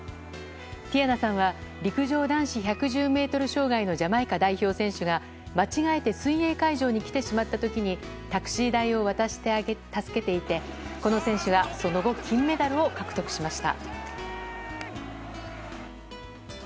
ティヤナさんは陸上男子１１０ｍ障害のジャマイカ代表選手が間違えて水泳会場に来てしまった時にタクシー代を渡して助けていてこの選手がその後金メダルを獲得しました。